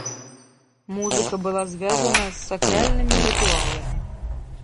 Музыка была звязана з сакральнымі рытуаламі.